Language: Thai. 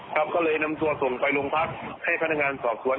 ครับก็เลยนำตัวส่งไปโรงพักให้พนักงานสอบสวน